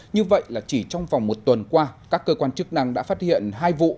như vậy là chỉ trong vòng một tuần qua các cơ quan chức năng đã phát hiện hai vụ